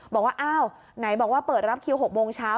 บอกว่าอ้าวไหนบอกว่าเปิดรับคิว๖โมงเช้า